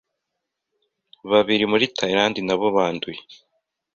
babiri muri Thailand nabo banduye